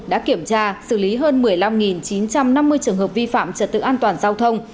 đã kiểm tra xử lý hơn một mươi năm chín trăm năm mươi trường hợp vi phạm trật tự an toàn giao thông